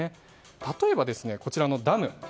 例えばこちらのダム。